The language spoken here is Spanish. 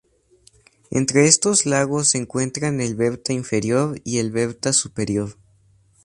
Entre estos lagos se encuentran el Berta inferior y el Berta superior.